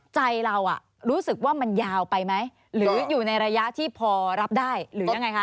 ใจเรารู้สึกว่ามันยาวไปไหมหรืออยู่ในระยะที่พอรับได้หรือยังไงคะ